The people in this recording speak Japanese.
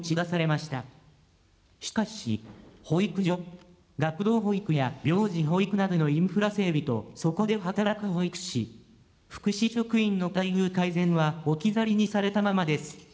しかし、保育所、学童保育や病児保育などのインフラ整備と、そこで働く保育士、福祉職員の待遇改善は置き去りにされたままです。